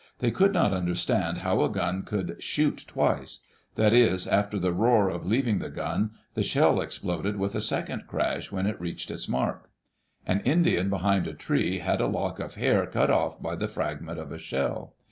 They could not understand how a gun could " shoot twice ; that is, after the roar of leaving the gun, the shell exploded with a second crash when it reached its mark. An Indian behind a tree had a lock of hair cut oflF by the fragment of a shell.